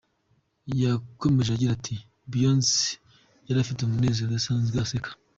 Yakomeje agira ati: “Beyonce yari afite umunezero udasanzwe, aseka …”.